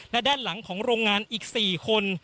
และด้านหลังของโรงงานอีก๔คน